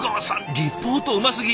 リポートうますぎ。